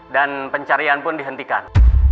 dan pencarian pun dihentikan